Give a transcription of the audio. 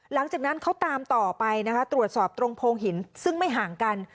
หลังจากนั้นเขาตามต่อไปนะคะตรวจสอบตรงโพงหินซึ่งไม่ห่างกัน